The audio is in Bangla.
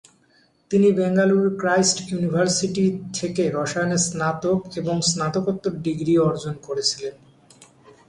তিনি বেঙ্গালুরুর ক্রাইস্ট ইউনিভার্সিটি থেকে রসায়নে স্নাতক এবং স্নাতকোত্তর ডিগ্রি অর্জন করেছিলেন।